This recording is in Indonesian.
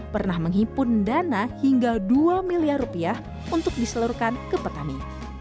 pernah menghimpun dana hingga dua miliar rupiah untuk diseluruhkan ke petani